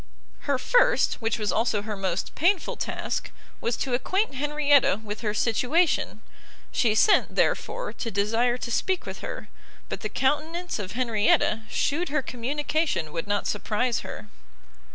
Her first, which was also her most painful task, was to acquaint Henrietta with her situation: she sent, therefore, to desire to speak with her, but the countenance of Henrietta shewed her communication would not surprise her.